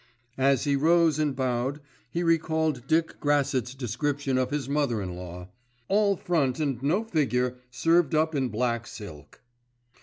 As he rose and bowed he recalled Dick Grassetts' description of his mother in law, "All front and no figure served up in black silk."